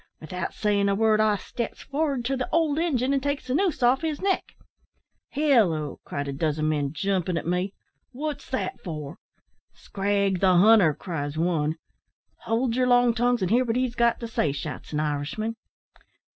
Without sayin' a word, I steps for'ard to the old Injun, and takes the noose off his neck. "`Halloo!' cried a dozen men, jumpin' at me. `Wot's that for?' `Scrag the hunter,' cries one. `Howld yer long tongues, an' hear what he's got to say,' shouts an Irishman.